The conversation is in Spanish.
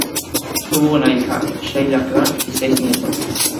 Tuvo una hija, Sheila Clark y seis nietos.